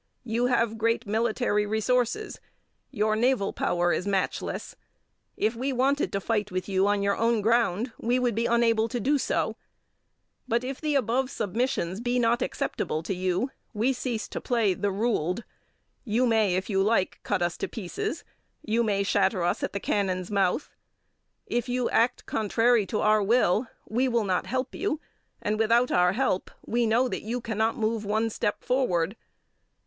You have great military resources. Your naval power is matchless. If we wanted to fight with you on your own ground we would be unable to do so, but, if the above submissions be not acceptable to you, we cease to play the ruled. You may, if you like, cut us to pieces. You may shatter us at the cannon's mouth. If you act contrary to our will, we will not help you and, without our help, we know that you cannot move one step forward.